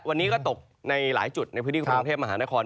วันนี้ก็ตกในหลายจุดในพื้นที่กรุงเทพมหานคร